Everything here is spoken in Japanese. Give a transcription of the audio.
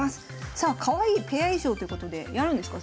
さあかわいいペア衣装ということでやるんですか？